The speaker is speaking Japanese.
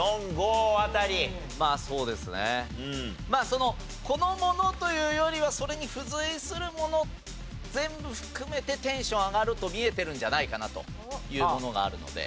そのこのものというよりはそれに付随するもの全部含めてテンション上がると見えてるんじゃないかなというものがあるので。